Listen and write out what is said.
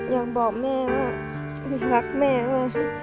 อยากบอกแม่ว่ารักแม่มาก